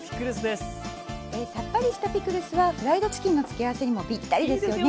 さっぱりしたピクルスはフライドチキンの付け合わせにもぴったりですよね。